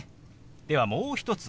ではもう一つ。